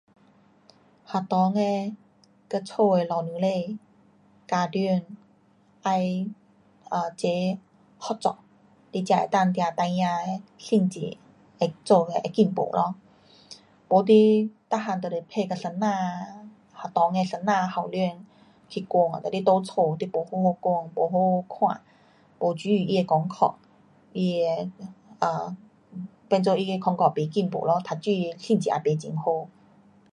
学校的和家的父母亲，家长要[um]齐合作，你才能定孩儿的成绩会做的会进步咯。没你每样都是批给老师，学校的老师校长去管，哒你在家你没好好管没好好看。没注意他的功课，他的[um]变做他的功课不进步咯。读书成绩也没很好。